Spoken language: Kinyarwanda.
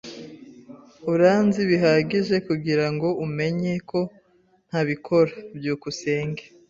Uranzi bihagije kugirango umenye ko ntabikora. byukusenge